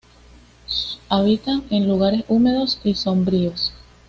Habita en lugares húmedos y sombríos.